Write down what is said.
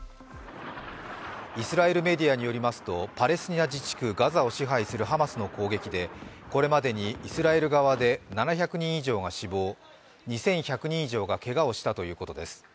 イスラエルメディアによりますとパレスチナ自治区ガザを支配するハマスの攻撃で、これまでにイスラエル側で７００人以上が死亡２１００人以上がけがをしたということです。